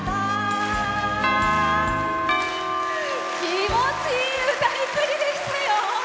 気持ちいい歌いっぷりでしたよ。